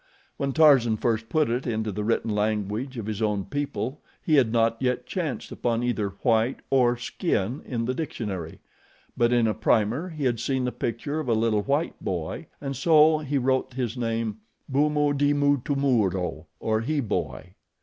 When Tarzan first put it into the written language of his own people he had not yet chanced upon either WHITE or SKIN in the dictionary; but in a primer he had seen the picture of a little white boy and so he wrote his name BUMUDE MUTOMURO, or he boy.